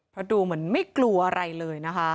เพราะดูเหมือนไม่กลัวอะไรเลยนะคะ